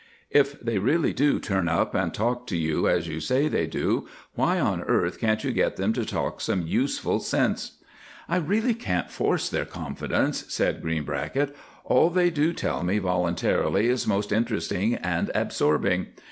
"If they really do turn up and talk to you as you say they do, why on earth can't you get them to talk some useful sense?" "I really can't force their confidence," said Greenbracket, "all they do tell me voluntarily is most interesting and absorbing.